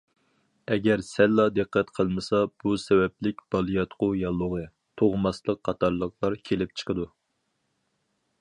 ئەگەر سەللا دىققەت قىلمىسا، بۇ سەۋەبلىك بالىياتقۇ ياللۇغى، تۇغماسلىق قاتارلىقلار كېلىپ چىقىدۇ.